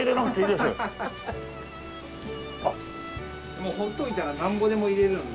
もう放っといたらなんぼでも入れるんで。